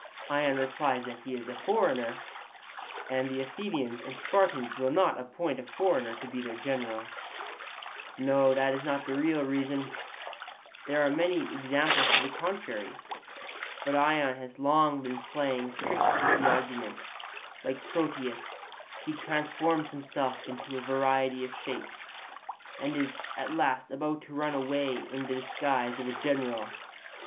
Ion replies that he is a foreigner, and the Athenians and Spartans will not appoint a foreigner to be their general. 'No, that is not the real reason; there are many examples to the contrary. But Ion has long been playing tricks with the argument; like Proteus, he transforms himself into a variety of shapes, and is at last about to run away in the disguise of a general.